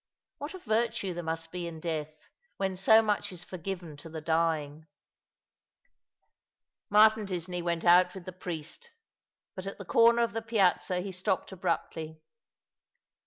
What a virtue there must be in death, when so much is forgiven to the dying I ioo All alonz the River, i> Martin Disney went out with tlis priest, but at the comer of the Piazza he stopped abruptly.